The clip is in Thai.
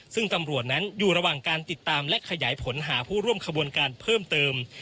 ซึ่งตำรวจนั้นอยู่ระหว่างการติดตามและขยายผลหาผู้ร่วมขบวนการเพิ่มเติม